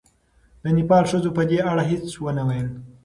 د نېپال ښځو په دې اړه هېڅ ونه ویل.